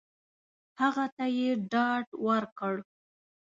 هغه ته یې ډاډ ورکړ !